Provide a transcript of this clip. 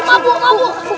lukman lukman lukman